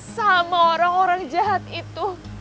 sama orang orang jahat itu